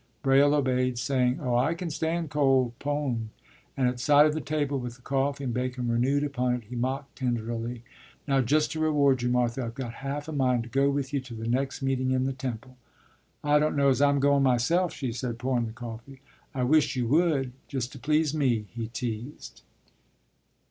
” Braile obeyed, saying, “Oh, I can stand cold pone,” and at sight of the table with the coffee and bacon renewed upon it, he mocked tenderly, “Now just to reward you, Martha, I've got half a mind to go with you to the next meeting in the Temple.” “I don't know as I'm goin' myself,” she said, pouring the coffee. “I wish you would, just to please me,” he teased.